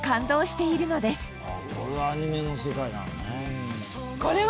あっこれがアニメの世界なのね。